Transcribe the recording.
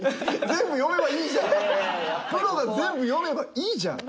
全部読めばいいじゃん。